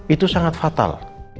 itu sangat fatal